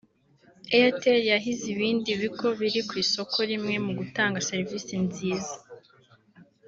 Airtel yahize ibindi bigo biri ku isoko rimwe mu gutanga serivisi nziza